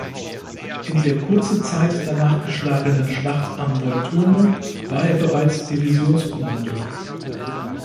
In der kurze Zeit danach geschlagenen Schlacht am Volturno war er bereits Divisionskommandeur.